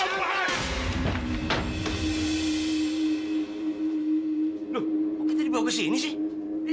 aduh kok kita dibawa ke sini sih